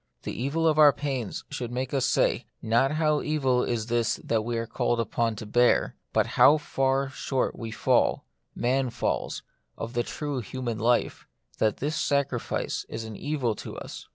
The evil of our pains should make us say, not how evil is this that we are called upon to bear, but how far short we fall — man falls — of the true human life, that this sacrifice is an evil to us.